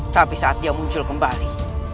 tapi saat dia muncul kembali